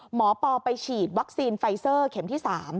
ปอไปฉีดวัคซีนไฟเซอร์เข็มที่๓